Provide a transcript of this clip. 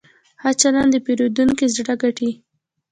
ښه چلند د پیرودونکي زړه ګټي.